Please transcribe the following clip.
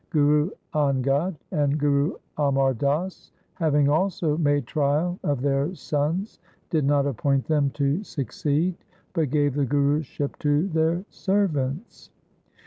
Guru Angad and Guru Amar Das, having also made trial of their sons, did not appoint them to succeed, but gave the Guru ship to their servants.